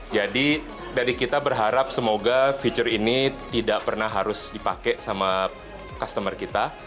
jadi dari kita berharap semoga fitur ini tidak pernah harus dipakai sama customer kita